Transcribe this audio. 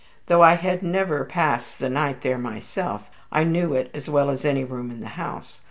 Though I had never passed the night there myself, I knew it as well as any room in the house.